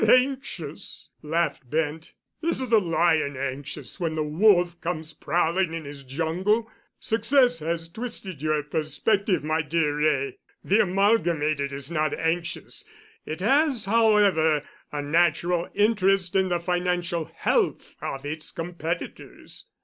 "Anxious?" laughed Bent. "Is the lion anxious when the wolf comes prowling in his jungle? Success has twisted your perspective, my dear Wray. The Amalgamated is not anxious—it has, however, a natural interest in the financial health of its competitors."